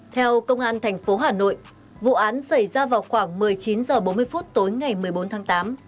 theo công an tp hà nội vụ án xảy ra vào khoảng một mươi chín h bốn mươi tối ngày một mươi bốn tháng tám